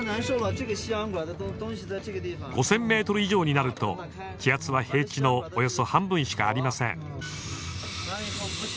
５，０００ｍ以上になると気圧は平地の約半分しかありません。